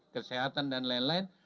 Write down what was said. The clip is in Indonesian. kesehatan dan lain lain